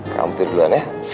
kamu tidur duluan ya